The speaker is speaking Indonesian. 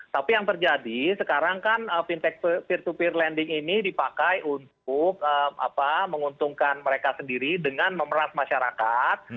tapi yang terjadi sekarang kan fintech peer to peer lending ini dipakai untuk menguntungkan mereka sendiri dengan memeras masyarakat